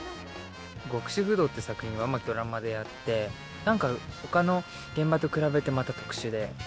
『極主夫道』って作品はドラマでやって何か他の現場と比べてまた特殊で。